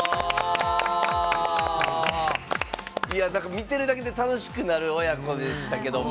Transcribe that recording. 見てるだけで楽しくなる親子でしたけども。